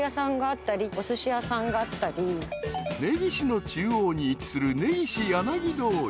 ［根岸の中央に位置する根岸柳通り］